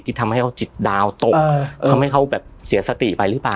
ทำให้เขาจิตดาวตกทำให้เขาแบบเสียสติไปหรือเปล่า